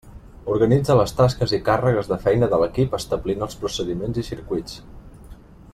Organitza les tasques i càrregues de feina de l'equip establint els procediments i circuits.